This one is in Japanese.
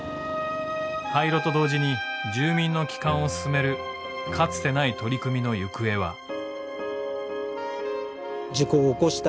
廃炉と同時に住民の帰還を進めるかつてない取り組みの行方は。